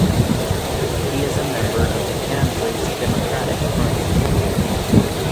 He is a member of the Kansas Democratic Party.